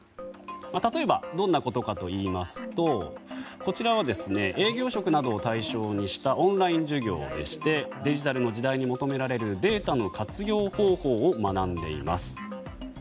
例えばどんなことかといいますとこちらは、営業職などを対象にしたオンライン授業でしてデジタルの時代に求められるデータの活用方法を学んでいます。